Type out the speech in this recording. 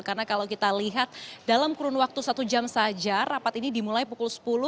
karena kalau kita lihat dalam kurun waktu satu jam saja rapat ini dimulai pukul sepuluh